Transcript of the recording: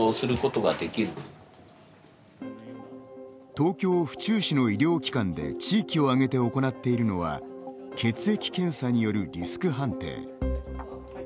東京、府中市の医療機関で地域をあげて行っているのは血液検査によるリスク判定。